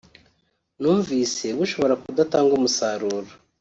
numvise bushobora kudatanga umusaruro